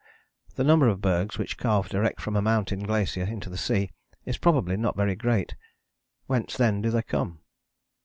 The number of bergs which calve direct from a mountain glacier into the sea is probably not very great. Whence then do they come?